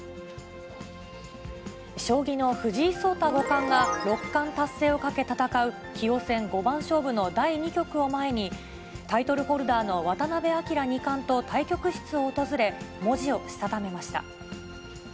将棋の藤井聡太五冠が、六冠達成をかけ戦う、棋王戦五番勝負の第２局を前に、タイトルホルダーの渡辺明二冠と対局室を訪れ、文字をしたためました。